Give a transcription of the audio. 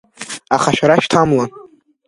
Аха шәара шәҭамлан.